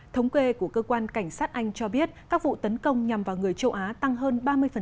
thống quê của cơ quan cảnh sát anh cho biết các vụ tấn công nhằm vào người châu á tăng hơn ba mươi